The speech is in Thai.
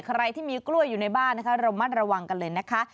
ใครที่มีกล้วยอยู่ในบ้านนะคะระมัดระวังกันเลยนะคะ